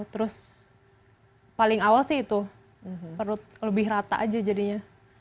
terus paling awal sih itu perut lebih rata aja jadinya